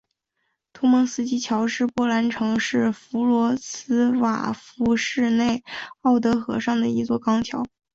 图蒙斯基桥是波兰城市弗罗茨瓦夫市内奥德河上的一座钢桥。